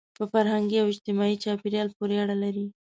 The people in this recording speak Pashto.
په فرهنګي او اجتماعي چاپېریال پورې اړه لري.